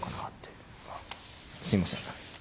あっすいません。